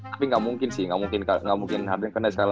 tapi gak mungkin sih gak mungkin harden ke nets